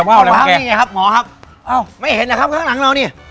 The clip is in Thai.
ข้างหลังนี่ไงครับหมอครับไม่เห็หนนะครับข้างหลังเรานี่